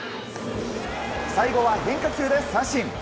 最後は変化球で三振。